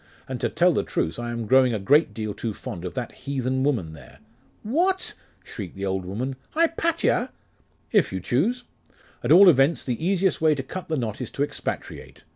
And to tell the truth, I am growing a great deal too fond of that heathen woman there ' 'What?' shrieked the old woman 'Hypatia?' 'If you choose. At all events, the easiest way to cut the knot is to expatriate.